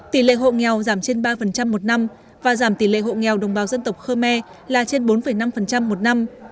tỷ lệ hộ nghèo giảm trên ba một năm và giảm tỷ lệ hộ nghèo đồng bào dân tộc khơ me là trên bốn năm một năm